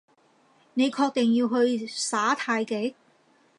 你確定要去耍太極？